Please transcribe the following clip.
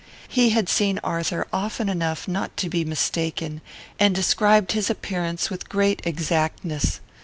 He had seen Arthur often enough not to be mistaken, and described his appearance with great exactness.